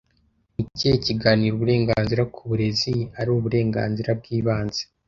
Ni ikihe kiganiro Uburenganzira ku burezi ari uburenganzira bw'ibanze